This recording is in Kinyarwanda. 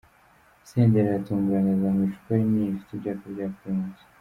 Senderi aratunguranye aza mu icupa rinini rifite ibyapa bya Primus.